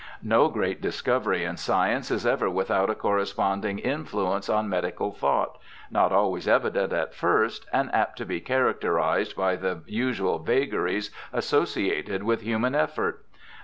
No great discovery in science is ever without a corre sponding influence on medical thought, not always evident at first, and apt to be characterized by the usual vagaries associated with human effort.